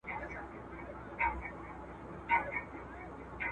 دوی له تیږو اوبه وباسي.